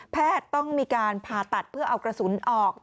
แพทย์ต้องมีการผ่าตัดเพื่อเอากระสุนออก